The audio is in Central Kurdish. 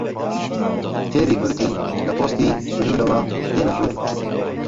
کتێبی کوردی لە پۆستی سنوورەوە دێنیە ژوور؟